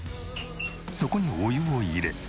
そこにお湯を入れ。